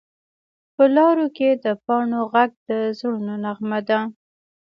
په لارو کې د پاڼو غږ د زړونو نغمه ده